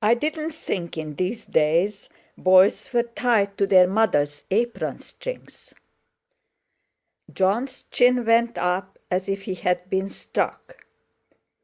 "I didn't think in these days boys were tied to their mothers' apron strings." Jon's chin went up as if he had been struck.